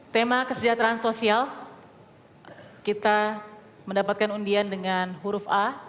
tema kesejahteraan sosial kita mendapatkan undian dengan huruf a